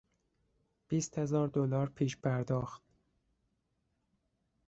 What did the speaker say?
بیستهزار دلار پیش پرداخت